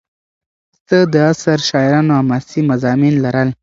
د ده د عصر شاعرانو حماسي مضامین لرل.